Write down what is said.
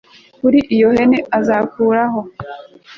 Kuri iyo hene azakureho